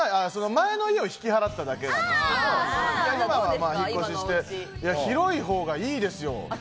前の家を引き払っただけなんですけれど、今は引っ越しして広い方がいいですよ。